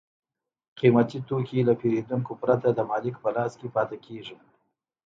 قیمتي توکي له پېرودونکو پرته د مالک په لاس کې پاتې کېږي